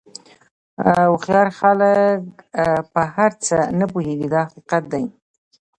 هوښیار خلک په هر څه نه پوهېږي دا حقیقت دی.